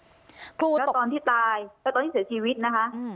แล้วตอนที่ตายแล้วตอนที่เสียชีวิตนะคะ